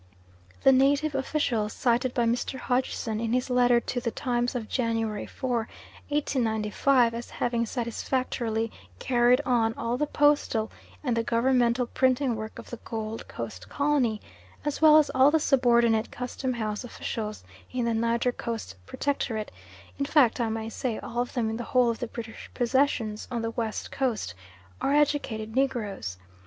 The native officials cited by Mr. Hodgson in his letter to the Times of January 4, 1895, as having satisfactorily carried on all the postal and the governmental printing work of the Gold Coast Colony, as well as all the subordinate custom house officials in the Niger Coast Protectorate in fact I may say all of them in the whole of the British possessions on the West Coast are educated Negroes.